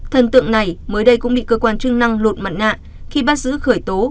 thần tượng này mới đây cũng bị cơ quan chức năng lột mặt nạ khi bắt giữ khởi tố